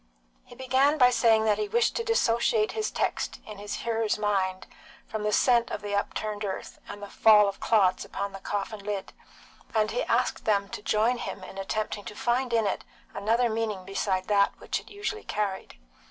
He began by saying that he wished to dissociate his text in his hearers' minds from the scent of the upturned earth, and the fall of clods upon the coffin lid, and he asked them to join him in attempting to find in it another meaning beside that which it usually carried.